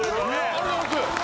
ありがとうございます！